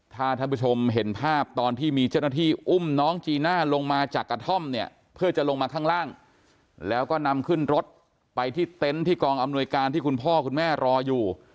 ถ้าท่านผู้ชมเห็นภาพตอนที่มีเจ้าหน้าที่อุ้มน้องจีน่าลงมาจากกระท่อมเนี่ยเพื่อจะลงมาข้างล่างแล้วก็นำขึ้นรถไปที่เต็นต์ที่กองอำนวยการที่คุณพ่อคุณแม่รออยู่